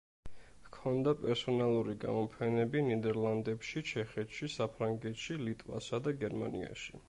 ჰქონდა პერსონალური გამოფენები ნიდერლანდებში, ჩეხეთში, საფრანგეთში, ლიტვასა და გერმანიაში.